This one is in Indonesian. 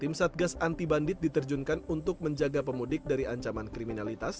tim satgas anti bandit diterjunkan untuk menjaga pemudik dari ancaman kriminalitas